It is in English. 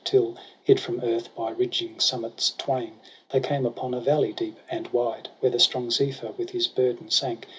Till, hid from earth by ridging summits twain, They came upon a valley deep and wide j Where the strong Zephyr with his burden sank.